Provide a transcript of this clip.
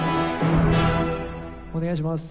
お願いします。